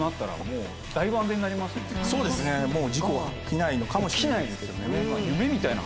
そうですねもう事故は起きないのかもしれない。